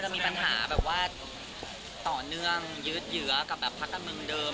มีปัญหาอย่างต่อเนื่องยืดหยิ้อกับพักกำลังเดิม